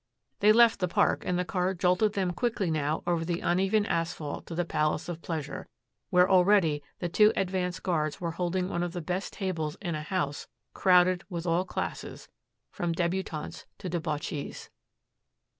They left the Park and the car jolted them quickly now over the uneven asphalt to the palace of pleasure, where already the two advance guards were holding one of the best tables in a house crowded with all classes from debutantes to debauchees.